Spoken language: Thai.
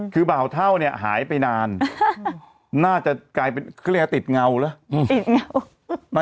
คือบ่าวเท่าเนี่ยหายไปนานน่าจะกลายเป็นเขาเรียกว่าติดเงาเหรอติดเงา